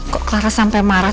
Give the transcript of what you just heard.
kok clara sampai marah